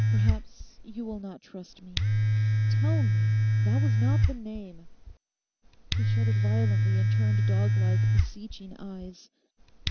perhaps you will not trust me—tell me? That was not the name.' He shuddered violently and turned dog like beseeching eyes.